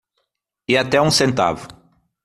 E até um centavo.